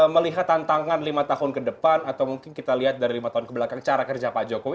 melihat tantangan lima tahun ke depan atau mungkin kita lihat dari lima tahun kebelakang cara kerja pak jokowi